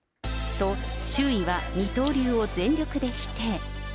と、周囲は二刀流を全力で否定。